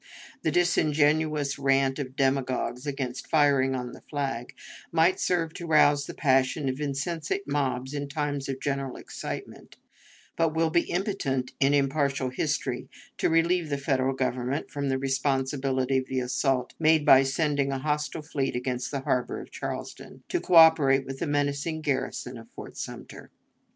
The disingenuous rant of demagogues about "firing on the flag" might serve to rouse the passions of insensate mobs in times of general excitement, but will be impotent in impartial history to relieve the Federal Government from the responsibility of the assault made by sending a hostile fleet against the harbor of Charleston, to coöperate with the menacing garrison of Fort Sumter.